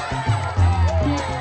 tuk tuk tuk